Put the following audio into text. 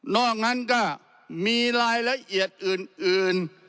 อกนั้นก็มีรายละเอียดอื่น